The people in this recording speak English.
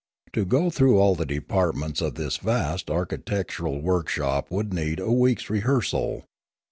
To go through all the depart ments of this vast architectural workshop would need a week's rehearsal.